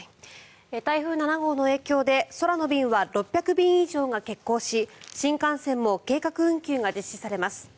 台風７号の影響で空の便は６００便以上が欠航し新幹線も計画運休が実施されます。